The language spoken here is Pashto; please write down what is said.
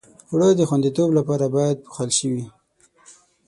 اوړه د خوندیتوب لپاره باید پوښل شي